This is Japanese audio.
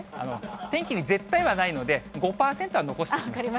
天気に絶対はないので、５％は残してください。